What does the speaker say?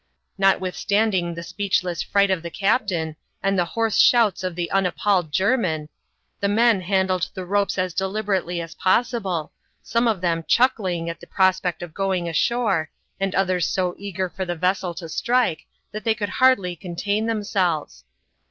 Notwithstanding the speechless fright of the captain, and the hoarse shouts of the unappalled Jermin, the men handled the ropes as deliheratelj as possible, some of them chuckling at the prospect of going ashore, and others so eager for the vessel to strike, that they could hardly contain themselves.